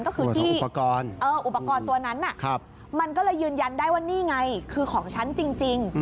ก็คือที่อุปกรณ์ตัวนั้นมันก็เลยยืนยันได้ว่านี่ไงคือของฉันจริง